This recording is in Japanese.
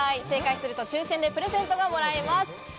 正解すると抽選でプレゼントがもらえます。